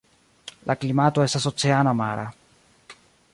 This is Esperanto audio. La klimato estas oceana (mara).